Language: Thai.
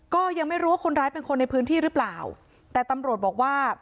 ก็ยังไม่รู้ว่าคนร้ายเป็นคนในพื้นที่หรือเปล่าแต่ตำรวจบอกว่า